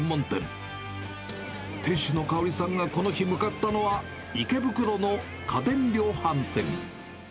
店主の嘉織さんがこの日、向かったのは池袋の家電量販店。